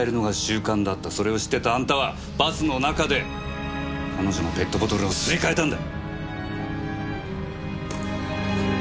それを知ってたあんたはバスの中で彼女のペットボトルをすり替えたんだ。